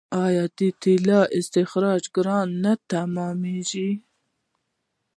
آیا د تیلو استخراج ګران نه تمامېږي؟